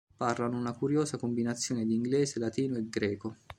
Parlano una curiosa combinazione di inglese, latino e greco.